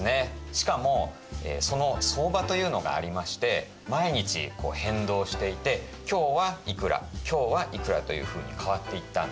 しかもその相場というのがありまして毎日変動していて今日はいくら今日はいくらというふうに変わっていったんです。